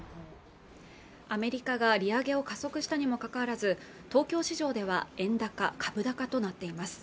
アメリカが利上げを加速したにもかかわらず東京市場では円高・株高となっています